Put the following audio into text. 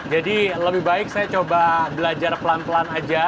jadi lebih baik saya coba belajar pelan pelan aja